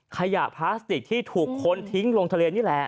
ขยะพลาสติกที่ถูกคนทิ้งลงทะเลนี่แหละ